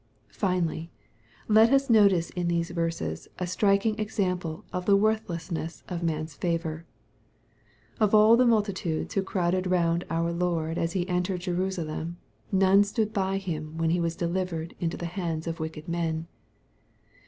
Finally, let us notice in these verses a striking exampU of the worthlessness of man^s favor. Of all the multitudes who crowded round our Lord as He entered Jerusalem, none stood by Him when He was delivered into the hands of wicked men.